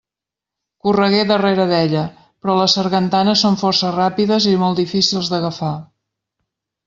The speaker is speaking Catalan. Corregué darrere d'ella, però les sargantanes són força ràpides i molt difícils d'agafar.